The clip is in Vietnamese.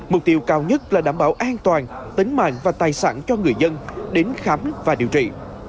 mục tiêu cao nhất là đảm bảo an toàn tính mạng và tài sản cho người dân đến khám và điều trị